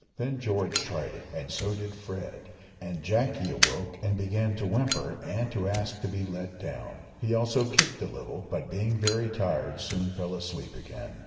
Then George tried it, and so did Fred, and Jacky awoke and began to whimper and to ask to be let down. He also kicked a little, but, being very tired, soon fell asleep again.